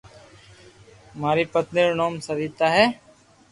ماري پتني روو نوم سويتا ھي